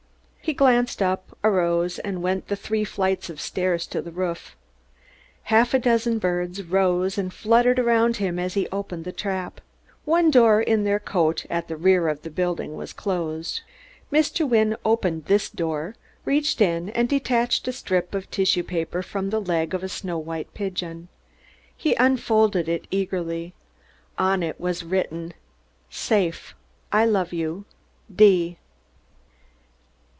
He glanced up, arose, and went up the three flights of stairs to the roof. Half a dozen birds rose and fluttered around him as he opened the trap; one door in their cote at the rear of the building was closed. Mr. Wynne opened this door, reached in and detached a strip of tissue paper from the leg of a snow white pigeon. He unfolded it eagerly; on it was written: Safe. I love you.